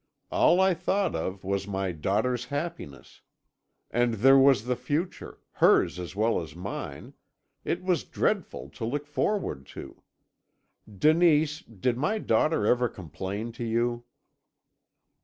All I thought of was my daughter's happiness. And there was the future hers as well as mine it was dreadful to look forward to. Denise, did my daughter ever complain to you?'